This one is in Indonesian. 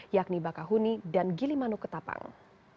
yakni bakahuni dan gilimanuketapang